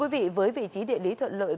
với vị trí địa lý thuận lợi